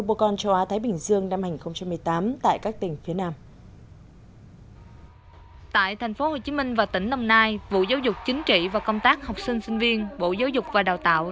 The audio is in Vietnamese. bộ giáo dục chính trị và công tác học sinh sinh viên bộ giáo dục và đào tạo